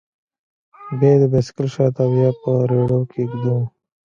بيا يې د بايسېکل شاته او يا په رېړيو کښې ږدو.